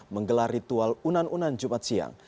menggelar ritual unan unan jumat siang